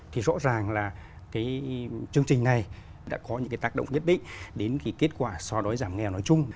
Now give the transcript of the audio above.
thì rõ ràng là cái chương trình này đã có những cái tác động nhất định đến cái kết quả so đối giảm nghèo nói chung